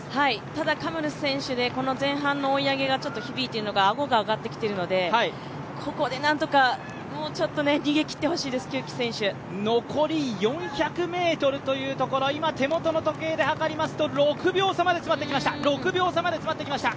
ただカムル選手前半の追い上げが響いているのか顎が上がってきているのでここでなんとか、もうちょっと逃げて切ってほしいです、久木選手残り４００ｍというところ、今、手元の時計で計りますと６秒差まで詰まってきました。